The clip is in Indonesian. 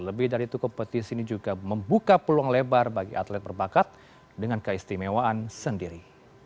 lebih dari itu kompetisi ini juga membuka peluang lebar bagi atlet berbakat dengan keistimewaan sendiri